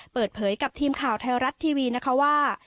เปิดเผยกับทีมข่าวไทยรัฐทีวีนะคะว่า